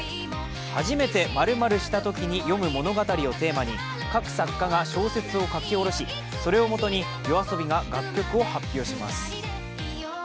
「初めて○○したときに読む物語」をテーマに各作家が小説を書き下ろし、それをもとにＹＯＡＳＯＢＩが楽曲を発表します。